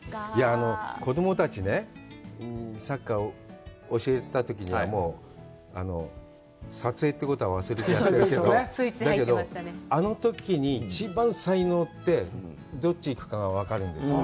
子供たちね、サッカーを教えたときに、撮影ということは忘れてやってるけど、だけど、あのときに一番才能って、どっち行くかが分かるんです。